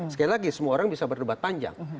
sekali lagi semua orang bisa berdebat panjang